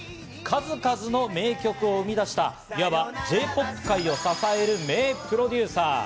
数々の名曲を生み出した、いわばＪ−ＰＯＰ界を支える名プロデューサー。